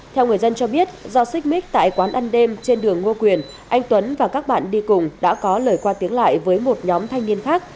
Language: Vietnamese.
theo người dân cho biết do xích mít tại quán ăn đêm trên đường ngô quyền anh tuấn và các bạn đi cùng đã có lời qua tiếng lại với một nhóm thanh niên khác